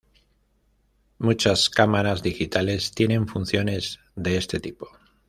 Muchas cámaras digitales tienen funciones de este tipo.